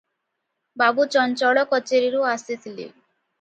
ବାବୁ ଚଞ୍ଚଳ କଚେରିରୁ ଆସିଥିଲେ ।